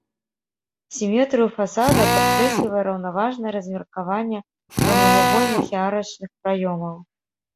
Сіметрыю фасада падкрэслівае раўнаважнае размеркаванне прамавугольных і арачных праёмаў.